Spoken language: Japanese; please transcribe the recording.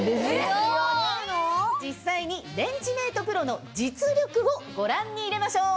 実際にレンジメートプロの実力をご覧に入れましょう！